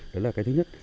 đó là cái thứ nhất